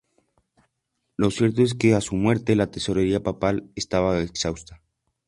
Lo cierto es que a su muerte la tesorería papal estaba exhausta.